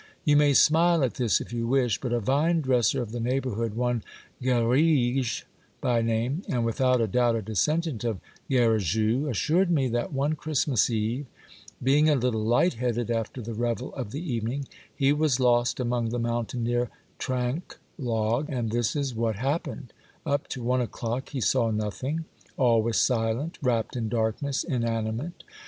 You may smile at this if you wish, but a vine dresser of the neigh borhood, one Garrigue by name, and without doubt a descendant of Garrigou, assured me that one Christmas eve, being a little light headed after the revel of the evening, he was lost upon the mountain near Trinquelague, and this is what hap pened : up to one o'clock he saw nothing. All was silent, wrapped in darkness, inanimate.